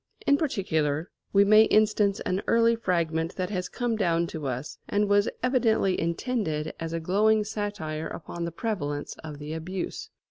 In particular, we may instance an early fragment that has come down to us, and was evidently intended as a glowing satire upon the prevalence of the abuse.